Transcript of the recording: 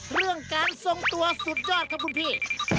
เรื่องการทรงตัวสุดยอดครับคุณพี่